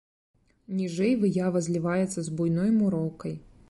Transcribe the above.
Ніжэй выява зліваецца з буйной муроўкай.